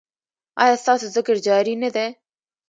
ایا ستاسو ذکر جاری نه دی؟